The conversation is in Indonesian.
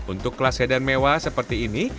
untuk kelas sedan mewah seperti ini